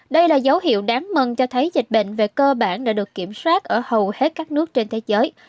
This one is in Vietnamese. đây là dấu hiệu đáng mừng cho thấy dịch bệnh về cơ bản đã được kiểm soát ở hầu hết các nước trên thế giới